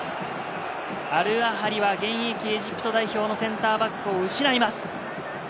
アルアハリは現役エジプト代表のセンターバックを失います。